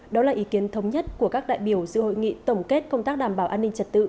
đó là ý kiến thống nhất của các đại biểu dự hội nghị tổng kết công tác đảm bảo an ninh trật tự